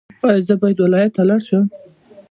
ایا زه باید ولایت ته لاړ شم؟